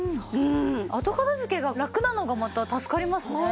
後片付けがラクなのがまた助かりますね。